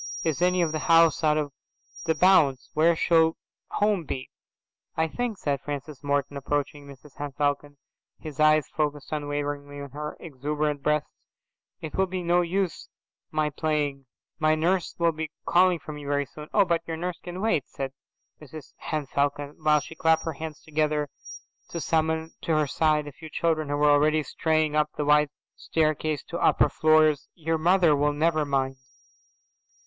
"Is any of the house out of bounds?"' "Where shall home be?"' "I think," said Francis Morton, approaching Mrs Henne Falcon, his eyes focused unwaveringly on her exuberant breasts, "it will be no use my playing. My nurse will be calling for me very soon." "Oh, but your nurse can wait, Francis," said Mrs Henne Falcon, while she clapped her hands together to summon to her side a few children who were already straying up the wide staircase to upper floors. "Your mother will never mind."